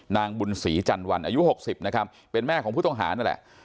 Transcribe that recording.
นางบุญศรีจันวันอายุ๖๐นะครับเป็นแม่ของผู้ต้องหานั่นแหละ